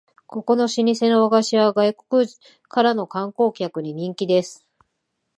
ここの老舗の和菓子屋は外国からの観光客に人気です